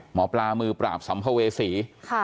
หมอปลามือปราบสัมภเวษี